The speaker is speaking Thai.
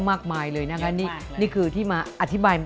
พระประแดงใช่